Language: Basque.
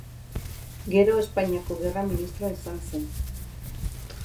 Gero Espainiako Gerra Ministroa izan zen.